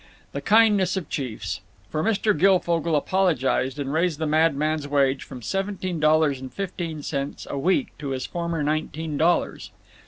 The kindness of chiefs! For Mr. Guilfogle apologized and raised the madman's wage from seventeen dollars and fifty cents a week to his former nineteen dollars.